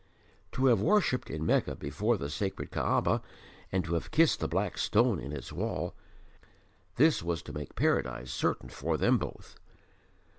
To have worshipped in Mecca before the sacred Kaaba and to have kissed the black stone in its wall this was to make Paradise certain for them both.